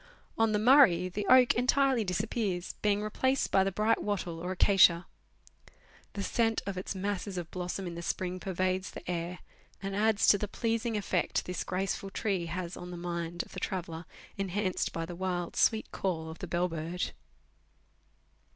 On the Murray, the oak entirely disappears, being replaced by the bright wattle or acacia. The scent of its masses of blossom in the spring pervades the air, and adds to the pleasing effect this graceful tree has on the mind of the traveller, enhanced by the wild, sweet call of the bell bird.